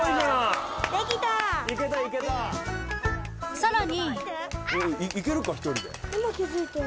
［さらに］